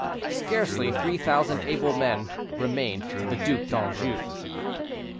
Scarcely three thousand able men remained to the Duc d'Anjou.